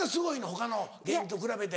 他の芸人と比べて。